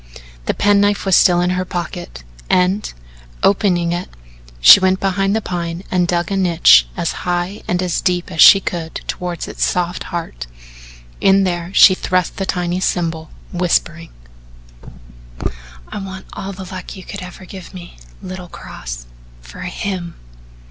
The penknife was still in her pocket, and, opening it, she went behind the Pine and dug a niche as high and as deep as she could toward its soft old heart. In there she thrust the tiny symbol, whispering: "I want all the luck you could ever give me, little cross for HIM."